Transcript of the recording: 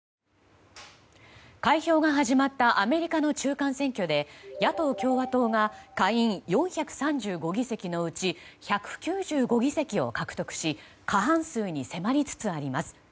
開票が始まったアメリカの中間選挙で野党・共和党が下院４３５議席のうち１９５議席を獲得し過半数に迫りつつあります。